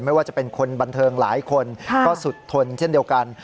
ไม่ว่าจะเป็นคนบันเทิงหลายคนก็สุดทนเช่นเดียวกัน